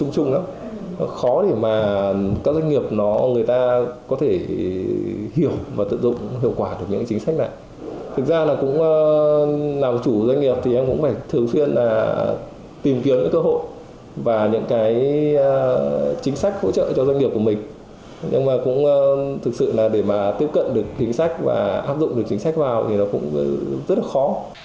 chính sách hỗ trợ cho doanh nghiệp của mình nhưng mà cũng thực sự là để mà tiếp cận được chính sách và áp dụng được chính sách vào thì nó cũng rất là khó